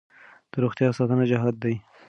د روغتیا ساتنه جهاد دی.